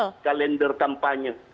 lagi kalender kampanye